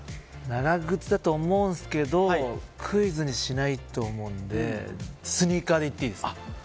長靴だと思うんですけどクイズにしないと思うのでスニーカーでいっていいですか。